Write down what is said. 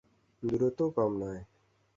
দূরত্বও কম নয়।